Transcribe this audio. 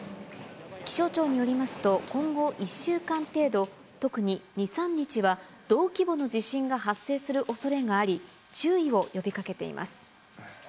気象庁によりますと、今後１週間程度、特に２、３日は、同規模の地震が発生するおそれがあり、注意を呼びかけています。